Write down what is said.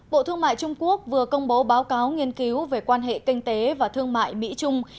bộ thương mại trung quốc vừa công bố báo cáo nghiên cứu về quan hệ kinh tế và thương mại mỹ trung